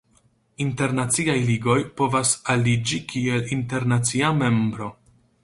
Internaciaj ligoj povas aliĝi kiel internacia membro.